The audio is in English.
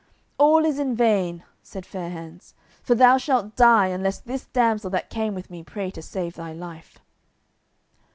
"All is in vain," said Fair hands, "for thou shalt die unless this damsel that came with me pray me to save thy life."